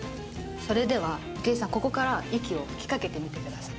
それでは郁恵さんここから息を吹きかけてみてください。